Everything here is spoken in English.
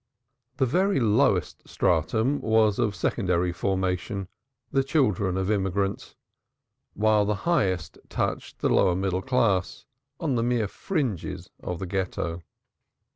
The very lowest stratum was of secondary formation the children of immigrants while the highest touched the lower middle class, on the mere fringes of the Ghetto.